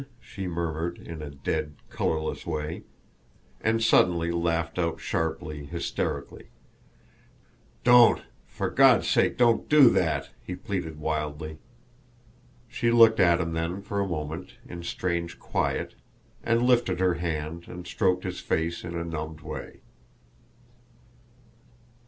she murmured in a dead, colourless way and suddenly laughed out sharply, hysterically. "Don't! For God's sake, don't do that!" he pleaded wildly. She looked at him then for a moment in strange quiet and lifted her hand and stroked his face in a numbed way.